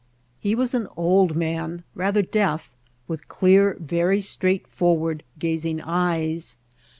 He was an old man, rather deaf, with clear, very straightforward gazing eyes.